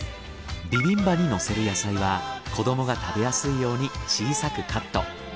ビビンバにのせる野菜は子どもが食べやすいように小さくカット。